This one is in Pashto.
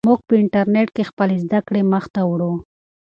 موږ په انټرنیټ کې خپلې زده کړې مخ ته وړو.